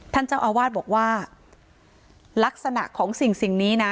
ท่านเจ้าอาวาสบอกว่าลักษณะของสิ่งนี้นะ